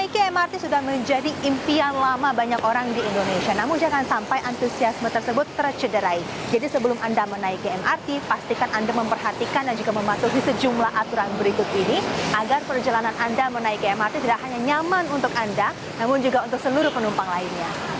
koresponen cnn indonesia mumtazah catra diningrat